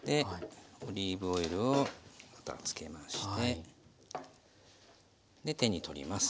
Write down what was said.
オリーブ油をまた付けましてで手に取ります。